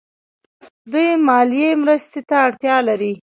دوی مالي مرستې ته اړتیا لري.